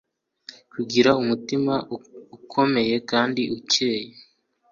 kugira umutima ukomeye kandi ukeye